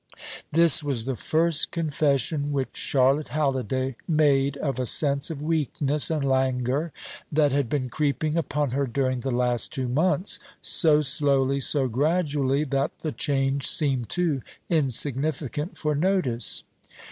This was the first confession which Charlotte Halliday made of a sense of weakness and languor that had been creeping upon her during the last two months, so slowly, so gradually, that the change seemed too insignificant for notice.